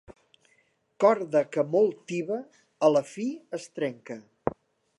Corda que molt tiba, a la fi es trenca.